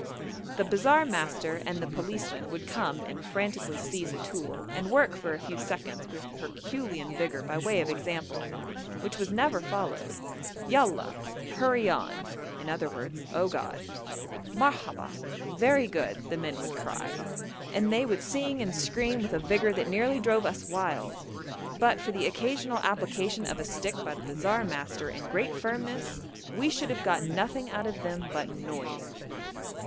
The bazaar master and the policeman would come and frantically seize a tool, and work for a few seconds with herculean vigour by way of example, which was never followed. 'Yallah!' 'hurry on' (i.e. Oh God); 'Marhabbah!' 'very good,' the men would cry, and they would sing and scream with a vigour that nearly drove us wild. But for the occasional application of a stick by the bazaar master and great firmness, we should have got nothing out of them but noise.